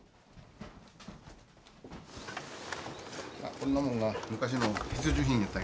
こんなもんが昔の必需品やったよねみの。